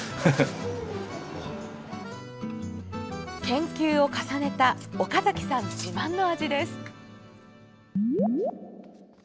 研究を重ねた岡崎さん自慢の味です。